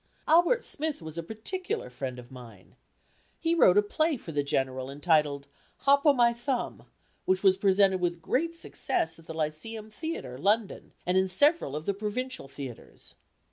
Albert Smith was a particular friend of mine. He wrote a play for the General entitled "Hop o' my Thumb," which was presented with great success at the Lyceum Theatre, London, and in several of the provincial theatres.